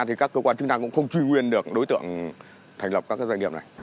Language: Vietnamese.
thì các cơ quan chức năng cũng không truy nguyên được đối tượng thành lập các doanh nghiệp này